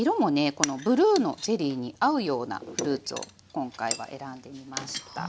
このブルーのゼリーに合うようなフルーツを今回は選んでみました。